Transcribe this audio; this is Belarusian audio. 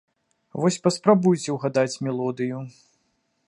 Вось паспрабуйце угадаць мелодыю.